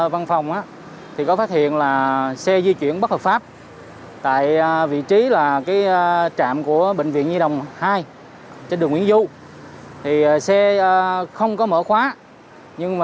văn phòng gpcc stock sản xuất xe di chuyển bất hợp pháp tại trạm bệnh viện di động hai trên đường nguyễn du